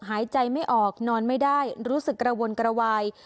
หายใจไม่ออกนอนไม่ได้รู้สึกกระวนกระวาย